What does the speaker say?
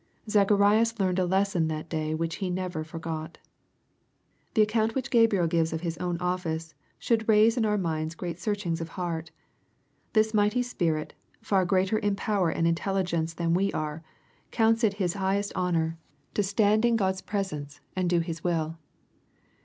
Zacharias learned a lesson that day which he never forgot. The account which Gabriel gives of his own office, should raise in our minds great searchings of heart. This mighty spirit, far greater in power and intelligence than we are, counts it his highest honor to ^^stand in Gknl's ^ LUKB, CHAP. I. 19 presoQce'' and do His will.